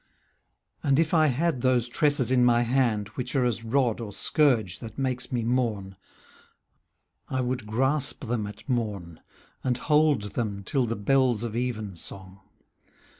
And if I had those tresses in my hand, . Which are as rod or scourge that makes me mourn, I would grasp them at morn, And hold them till the bells of evensong.